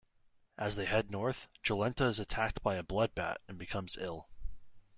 As they head north, Jolenta is attacked by a "blood bat" and becomes ill.